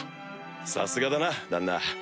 さすがだな旦那。